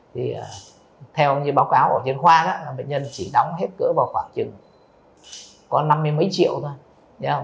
thì theo như báo cáo ở trên khoa bệnh nhân chỉ đóng hết cửa vào khoảng chừng có năm mươi mấy triệu thôi